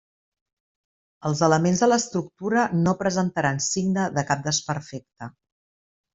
Els elements de l'estructura no presentaran signe de cap desperfecte.